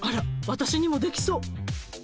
私にもできそう。